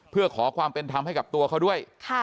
เพื่อขอความเป็นธรรมให้กับตัวเขาด้วย